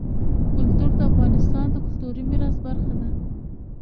کلتور د افغانستان د کلتوري میراث برخه ده.